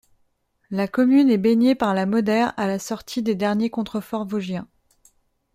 La commune est baignée par la Moder à la sortie des derniers contreforts vosgiens.